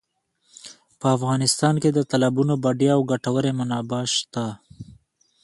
په افغانستان کې د تالابونو بډایه او ګټورې منابع شته.